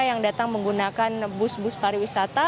yang datang menggunakan bus bus pariwisata